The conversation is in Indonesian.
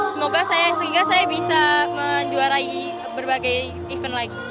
semoga saya bisa menjuarai berbagai event lagi